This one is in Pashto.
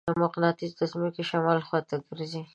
مقناطیس د ځمکې شمال خواته ګرځي.